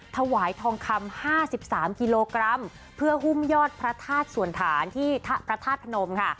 ถวายทองคำ๕๓กิโลกรัมเพื่อหุ้มยอดพระธาตุส่วนฐานที่พระธาตุพนมค่ะ